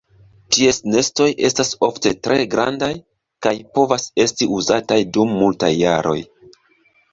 Ties nestoj estas ofte tre grandaj kaj povas esti uzataj dum multaj jaroj.